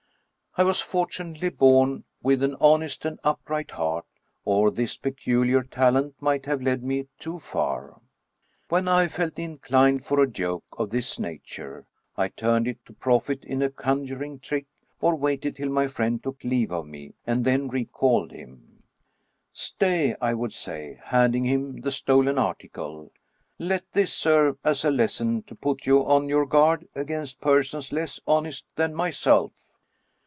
I was fortunately born with an honest and upright heart, or this peculiar talent might have led me too far. When I felt inclined for a joke of this nature, I turned it to profit in a conjuring trick, or waited till my friend took leave of me, and then recalled him :" Stay," I would say, handing him the stolen article, " let this serve as a lesson to put you on your guard against persons less honest than myself."